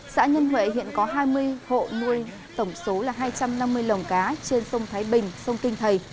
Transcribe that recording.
xã nhân huệ hiện có hai mươi hộ nuôi tổng số là hai trăm năm mươi lồng cá trên sông thái bình sông kinh thầy